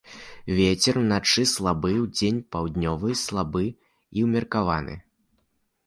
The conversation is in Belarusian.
Вецер уначы слабы, удзень паўднёвы слабы і ўмеркаваны.